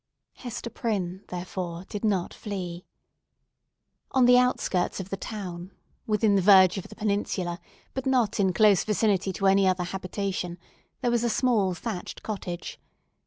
Hester Prynne, therefore, did not flee. On the outskirts of the town, within the verge of the peninsula, but not in close vicinity to any other habitation, there was a small thatched cottage.